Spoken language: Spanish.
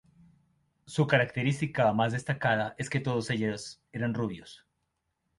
Su característica más destacada es que todos ellos eran rubios.